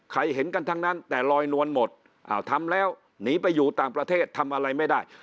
เห็นกันทั้งนั้นแต่ลอยนวลหมดอ้าวทำแล้วหนีไปอยู่ต่างประเทศทำอะไรไม่ได้